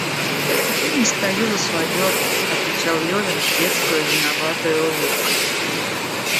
Я не стою за свое, — отвечал Левин с детскою, виноватою улыбкой.